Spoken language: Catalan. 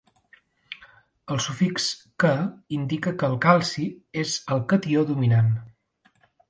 El sufix -Ca indica que el calci és el catió dominant.